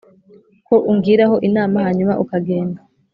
ko ungiraho inama hanyuma ukagenda"